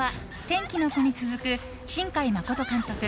「天気の子」に続く新海誠監督